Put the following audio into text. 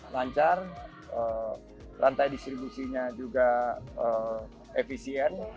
lancar rantai distribusinya juga efisien